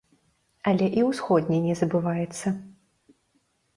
Але і ўсходні не забываецца.